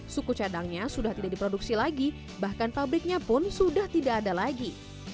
suku cadangnya sudah tidak diproduksi lagi bahkan pabriknya pun sudah tidak ada lagi